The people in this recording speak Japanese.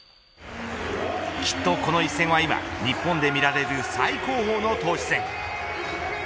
きっとこの一戦は今、日本で見られる最高峰の投手戦。